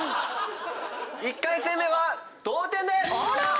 １回戦目は同点です。